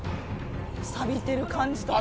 さびてる感じとか。